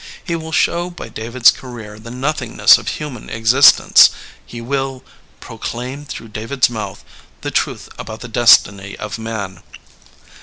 He will show by David's career the nothingness of human existence ; he will '' pro claim through David's mouth the truth about the destiny of man."